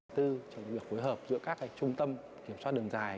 trong những việc hối hợp giữa các trung tâm kiểm soát đường dài